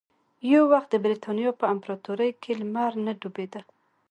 یو وخت د برېتانیا په امپراتورۍ کې لمر نه ډوبېده.